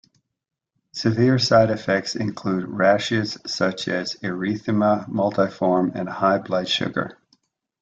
Severe side effects include rashes such as erythema multiforme and high blood sugar.